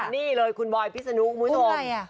นี่เลยคุณบอยพี่สนุของคุณผู้ชม